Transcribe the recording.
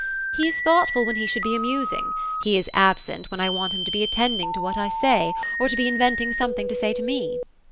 He is thoughtful, when he should be amusing ; lie is absent, when I want him to be attending to what I say, or to be inventing something to say to me.